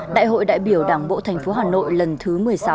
đại hội đại biểu đảng bộ thành phố hà nội lần thứ một mươi sáu